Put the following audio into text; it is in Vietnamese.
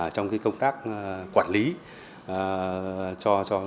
trong cái công tác quản lý cho đơn vị